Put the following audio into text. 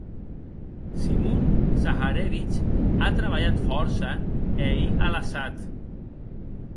Simon Zaharevitch a trabalhat fòrça e ei alassat.